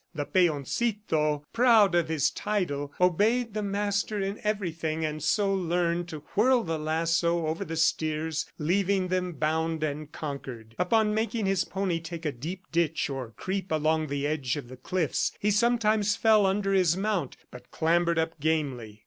The "peoncito," proud of his title, obeyed the master in everything, and so learned to whirl the lasso over the steers, leaving them bound and conquered. Upon making his pony take a deep ditch or creep along the edge of the cliffs, he sometimes fell under his mount, but clambered up gamely.